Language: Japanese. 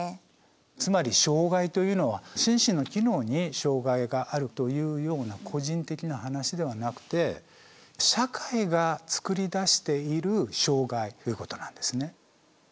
つまり障害というのは心身の機能に障害があるというような個人的な話ではなくてっていうことなんですね。